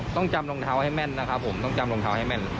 ต้องจำรองเท้าให้แม่นนะครับผมต้องจำรองเท้าให้แม่น